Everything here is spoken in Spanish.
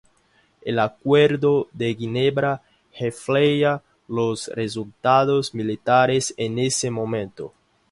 El acuerdo de Ginebra refleja los resultados militares en ese momento.